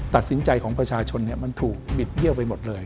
ตัดสินใจของประชาชนมันถูกบิดเบี้ยไปหมดเลย